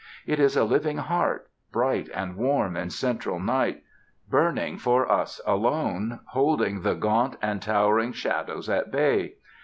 It is a living heart, bright and warm in central night, burning for us alone, holding the gaunt and towering shadows at bay.